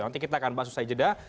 nanti kita akan bahas usai jeda